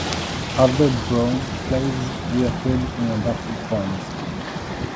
Other Brome plays reappeared in adapted forms.